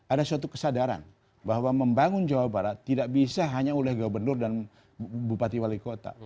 ada suatu kesadaran bahwa membangun jawa barat tidak bisa hanya oleh gubernur dan bupati wali kota